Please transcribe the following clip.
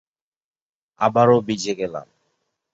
আবারও ভিজে গেলাম।